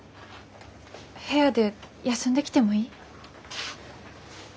部屋で休んできてもいい？